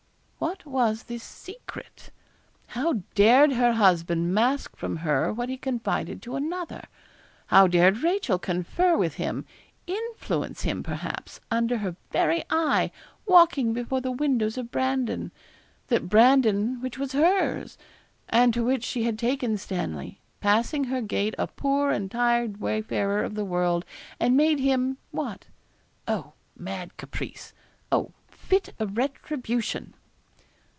What was this secret? How dared her husband mask from her what he confided to another? How dared Rachel confer with him influence him, perhaps, under her very eye, walking before the windows of Brandon that Brandon which was hers, and to which she had taken Stanley, passing her gate a poor and tired wayfarer of the world, and made him what? Oh, mad caprice! Oh, fit retribution!